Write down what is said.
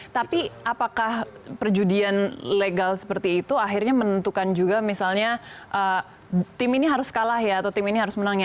tapi apakah perjudian legal seperti itu akhirnya menentukan juga misalnya tim ini harus kalah ya atau tim ini harus menang ya